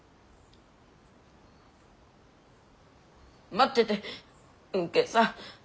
待ってて吽慶さん。